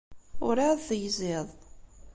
Urɛad tegziḍ.